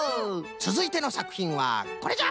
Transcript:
つづいてのさくひんはこれじゃ！